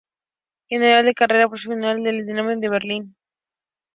Comenzó su carrera profesional en el Dinamo de Berlín.